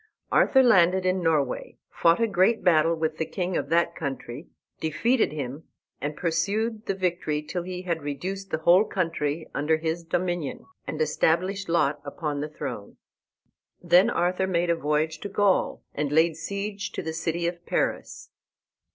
Arthur landed in Norway, fought a great battle with the king of that country, defeated him, and pursued the victory till he had reduced the whole country under his dominion, and established Lot upon the throne. Then Arthur made a voyage to Gaul and laid siege to the city of Paris.